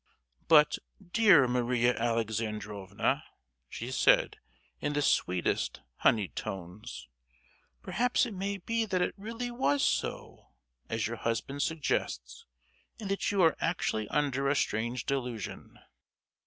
"But, dear Maria Alexandrovna," she said, in the sweetest honied tones, "perhaps it may be that it really was so, as your husband suggests, and that you are actually under a strange delusion?"